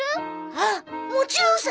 ああもちろんさ。